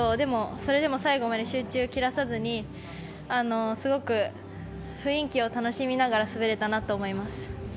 も、それでも最後まで集中を切らさずにすごく雰囲気を楽しみながら滑れたなと思います。